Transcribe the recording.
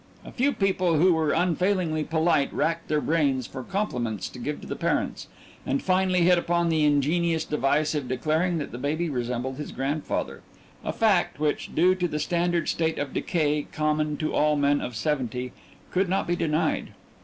A few people who were unfailingly polite racked their brains for compliments to give to the parents and finally hit upon the ingenious device of declaring that the baby resembled his grandfather, a fact which, due to the standard state of decay common to all men of seventy, could not be denied.